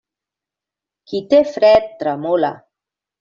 Qui té fred, tremola.